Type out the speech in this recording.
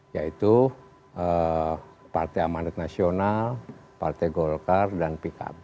yaitu partai amanat nasional partai golkar dan pkb